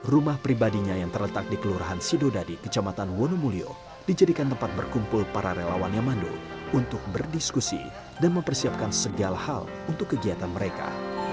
rumah pribadinya yang terletak di kelurahan sidodadi kecamatan wonomulyo dijadikan tempat berkumpul para relawan yamando untuk berdiskusi dan mempersiapkan segala hal untuk kegiatan mereka